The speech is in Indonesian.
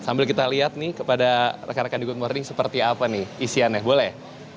sambil kita lihat nih kepada rekan rekan di good morning seperti apa nih isiannya boleh